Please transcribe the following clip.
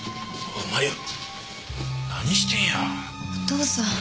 お父さん。